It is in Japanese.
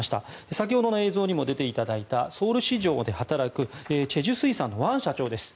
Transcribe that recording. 先ほどの映像にも出ていただいたソウル市場で働くチェジュ水産のワン社長です。